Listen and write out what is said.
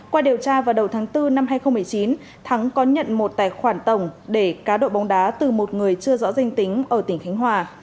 qua điều tra vào đầu tháng bốn năm hai nghìn một mươi chín thắng có nhận một tài khoản tổng để cá độ bóng đá từ một người chưa rõ danh tính ở tỉnh khánh hòa